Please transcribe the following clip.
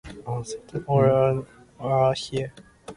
All are here.